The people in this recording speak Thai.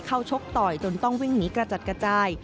ชกต่อยจนต้องวิ่งหนีกระจัดกระจาย